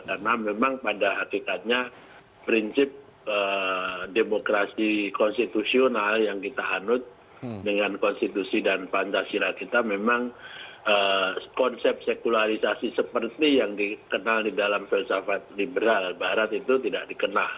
karena memang pada hakikatnya prinsip demokrasi konstitusional yang kita hanut dengan konstitusi dan pantasira kita memang konsep sekularisasi seperti yang dikenal di dalam filsafat liberal barat itu tidak dikenal